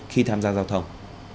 khi tham gia giao thông